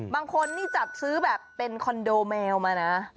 บางคนนี่จับซื้อแบบเป็นคอนโดแมวมานะ